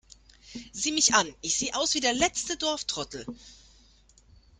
Sieh mich an, ich sehe aus wie der letzte Dorftrottel!